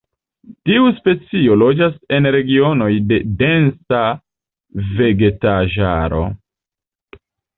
Tiu specio loĝas en regionoj de densa vegetaĵaro.